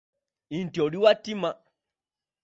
Nti oli wa ttima.